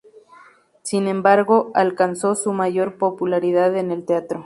Sin embargo alcanzó su mayor popularidad en el teatro.